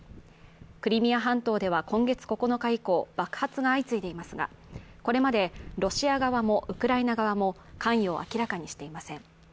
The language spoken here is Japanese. クリミア半島では今月９日以降、爆発が相次いでいますが、これまでロシア側もウクライナ側も関与を明らかにしていません。